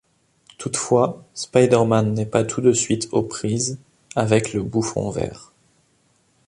Toutefois, Spider-Man n’est pas tout de suite aux prises avec le Bouffon Vert.